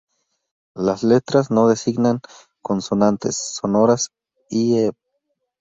Las letras no designan consonantes sonoras, i.e.